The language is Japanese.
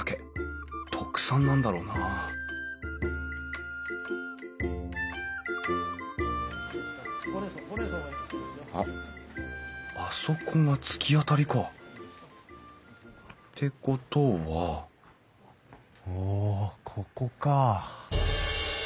特産なんだろうなあっあそこが突き当たりか。ってことはおここか。